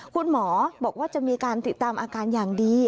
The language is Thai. คุณหมอบอกว่าจะมีการติดตามอาการอย่างดี